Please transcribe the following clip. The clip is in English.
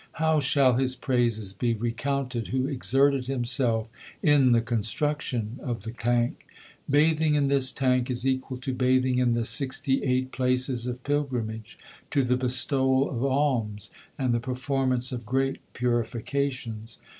How shall his l praises be recounted who exerted himself in the construction of the tank ? Bathing in this tank is equal to bathing in the sixty eight places of pilgrimage, to the bestowal of alms, and the per formance of great purifications.